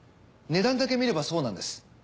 値段だけ見ればそうなんです。